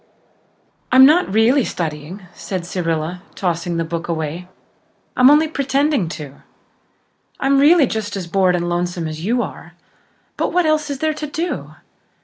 "I'm not really studying," said Cyrilla, tossing the book away. "I'm only pretending to. I'm really just as bored and lonesome as you are. But what else is there to do?